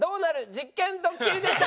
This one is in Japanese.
実験ドッキリ」でした。